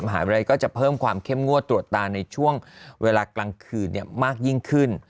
มหาวิทยาลัยก็จะเพิ่มความเข้มงวดตรวจตาในช่วงเวลากลางคืนมากยิ่งขึ้น